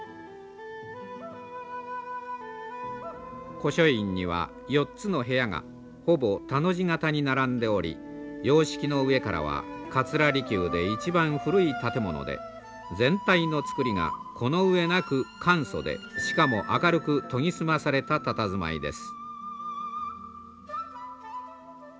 古書院には４つの部屋がほぼ田の字形に並んでおり様式の上からは桂離宮で一番古い建物で全体の造りがこの上なく簡素でしかも明るく研ぎ澄まされたたたずまいです。